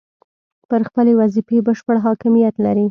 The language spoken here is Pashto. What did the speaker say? پر خپلې وظیفې بشپړ حاکمیت لري.